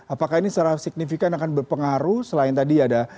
apakah ini secara signifikan akan berpengaruh selain tadi ada